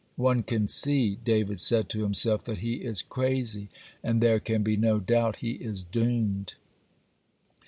One can see, David said to himself, that he is crazy, and there can be no doubt he is doomed.